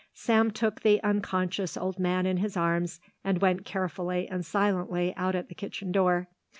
Sam took the unconscious old man in his arms and went carefully and silently out at the kitchen door.